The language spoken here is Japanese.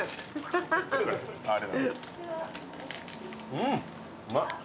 うんうまっ。